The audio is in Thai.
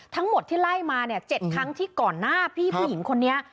ทั้งหมดที่ไล่มาเนี่ย๗ครั้งที่ก่อนหน้าพี่ผู้หญิงคนนี้